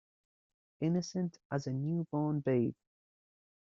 Innocent as a new born babe.